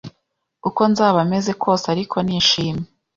Uko nzaba meze kose ariko nishimye,